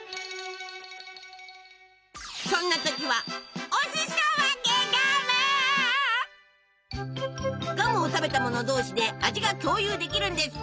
そんな時はガムを食べた者同士で味が共有できるんです！